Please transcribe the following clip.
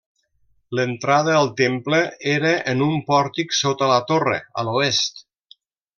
L'entrada al temple era en un pòrtic sota la torre, a l'oest.